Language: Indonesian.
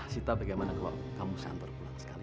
sita bagaimana kalau kamu santur pulang sekalian